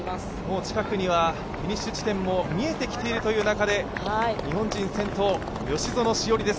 近くにはフィニッシュ地点も見えてきているという中で、日本人先頭、吉薗栞です。